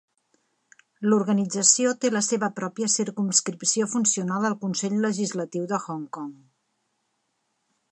L'organització té la seva pròpia circumscripció funcional al Consell Legislatiu de Hong Kong.